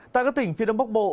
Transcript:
tại các tỉnh phía đông bắc bộ